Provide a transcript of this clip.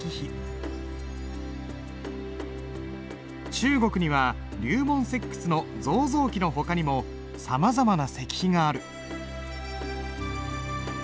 中国には龍門石窟の造像記のほかにもさまざまな石碑がある。